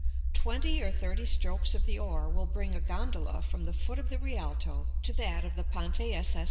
Twenty or thirty strokes of the oar will bring a gondola from the foot of the Rialto to that of the Ponte SS.